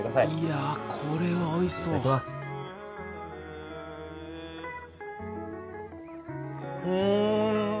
いやこれはおいしそううん！